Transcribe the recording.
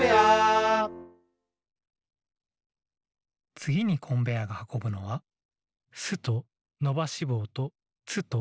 つぎにコンベアーがはこぶのは「ス」とのばしぼうと「ツ」と「ケ」。